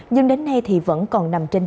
nhưng đến nay vẫn còn nằm trên giá